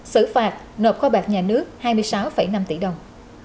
xử phạt nộp kho bạc nhà nước hai mươi sáu năm tỷ đồng